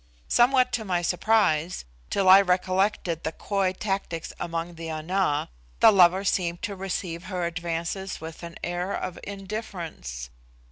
Somewhat to my surprise, till I recollected the coy tactics among the Ana, the lover seemed to receive her advances with an air of indifference.